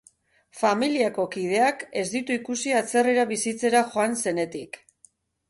Familiako kideak ez ditu ikusi atzerrira bizitzera joan zenetik.